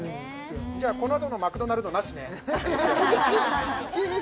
「じゃあこのあとのマクドナルドなしね」って言ったりね